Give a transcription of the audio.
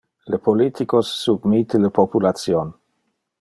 Le politicos submitte le population.